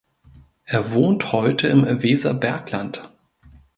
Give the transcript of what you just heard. Er wohnt heute im Weserbergland.